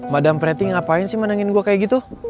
madam preti ngapain sih menengin gue kayak gitu